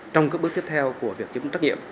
trong các bước tiếp theo của việc chấm trách nhiệm